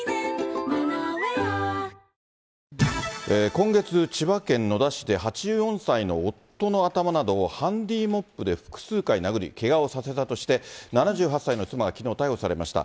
今月、千葉県野田市で８４歳の夫の頭などを、ハンディモップで複数回殴り、けがをさせたとして、７８歳の妻がきのう、逮捕されました。